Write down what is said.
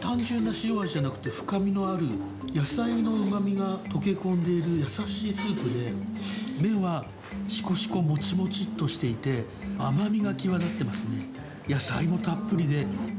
単純な塩味じゃなくて、深みのある野菜のうまみが溶け込んでいる優しいスープで、麺はしこしこ、もちもちっとしていて、甘みが際立ってますね。